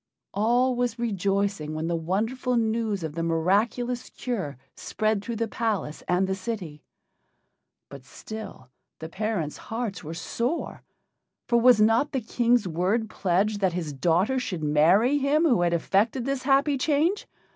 All was rejoicing when the wonderful news of the miraculous cure spread through the palace and the city. But still the parents' hearts were sore, for was not the King's word pledged that his daughter should marry him who had effected this happy change?